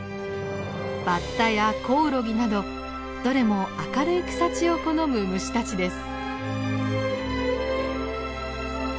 バッタやコオロギなどどれも明るい草地を好む虫たちです。